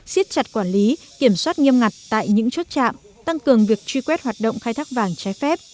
xiết chặt quản lý kiểm soát nghiêm ngặt tại những chốt chạm tăng cường việc truy quét hoạt động khai thác vàng trái phép